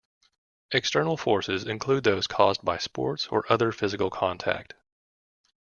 External forces include those caused by sports or other physical contact.